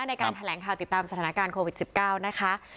ในการแถลงข่าวติดตามสถานการณ์โควิด๑๙นะคะ